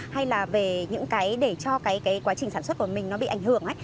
hay là về những cái để cho cái quá trình sản xuất của mình nó bị ảnh hưởng